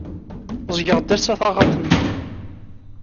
Ẓgeɣ-d ass-a taɣaṭ-nneɣ.